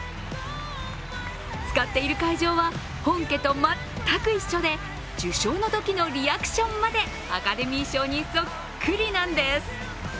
使っている会場は本家と全く一緒で受賞のときのリアクションまでアカデミー賞にそっくりなんです。